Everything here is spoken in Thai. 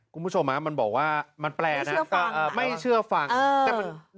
คุณผู้ชมมันบอกว่ามันแปลนะไม่เชื่อฟังไม่เชื่อฟังเออ